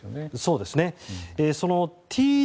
そうですね。